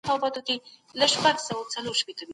د بشر تاریخ له لوړو او ژورو ډک دی.